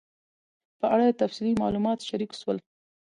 په اړه تفصیلي معلومات شریک سول